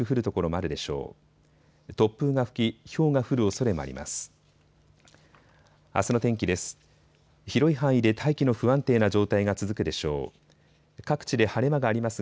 あすの天気です。